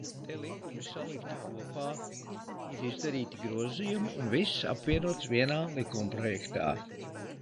Te likumi ir salikti kopā, ir izdarīti grozījumi, un viss apvienots vienā likumprojektā.